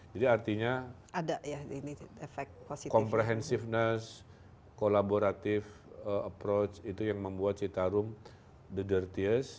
jadi artinya komprehensiveness kolaboratif approach itu yang membuat citarun the dirtiest